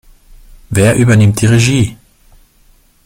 Wer übernimmt die Regie?